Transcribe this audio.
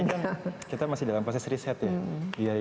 kan kita masih dalam proses riset ya